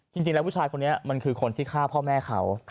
จริงแล้วผู้ชายคนนี้มันคือคนที่ฆ่าพ่อแม่เขา